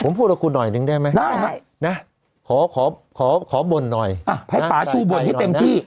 ผมพูดกับคุณหน่อยนึงได้ไหมนะขอขอขอขอบ่นหน่อยไปผายหน่อยนะ